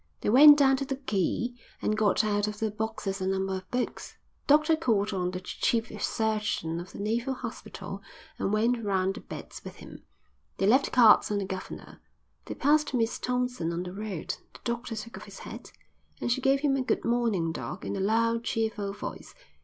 They went down to the quay and got out of their boxes a number of books. The doctor called on the chief surgeon of the naval hospital and went round the beds with him. They left cards on the governor. They passed Miss Thompson on the road. The doctor took off his hat, and she gave him a "Good morning, doc.," in a loud, cheerful voice.